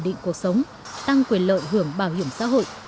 định cuộc sống tăng quyền lợi hưởng bảo hiểm xã hội